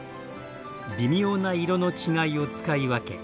微妙な色の違いを使い分け